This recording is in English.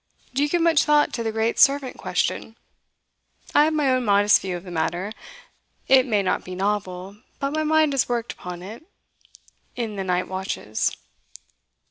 Do you give much thought to the great servant question? I have my own modest view of the matter. It may not be novel, but my mind has worked upon it in the night watches.